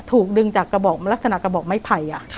ถูกดึงจากกระบอกลักษณะกระบอกไม้ไผ่